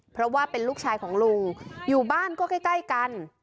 เพราะว่าเป็นลูกชายของลุงอยู่บ้านก็ใกล้กัน